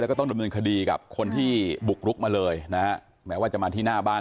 แล้วก็ต้องดำเนินคดีกับคนที่บุกรุกมาเลยนะฮะแม้ว่าจะมาที่หน้าบ้าน